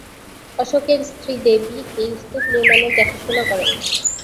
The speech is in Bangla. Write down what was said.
অশোকের স্ত্রী দেবী এই স্তূপ নির্মাণের দেখাশোনা করেন।